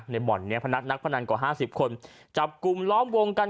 บ่อนนี้พนักพนันกว่า๕๐คนจับกลุ่มล้อมวงกัน